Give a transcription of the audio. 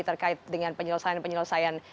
terkait dengan penyelesaian penyelesaian